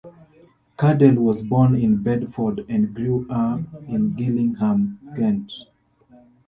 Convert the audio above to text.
Caddel was born in Bedford and grew up in Gillingham, Kent.